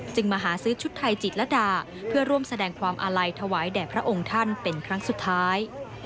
มาหาซื้อชุดไทยจิตรดาเพื่อร่วมแสดงความอาลัยถวายแด่พระองค์ท่านเป็นครั้งสุดท้าย